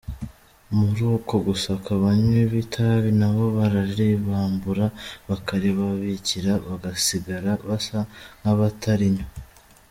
Muri uko gusaka abanywi b’itabi nabo bararibambura, bakaribabikira, bagasigara basa nk’abatarinywa.